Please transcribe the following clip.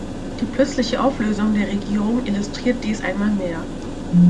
Die plötzliche Auflösung der Regierung illustriert dies einmal mehr.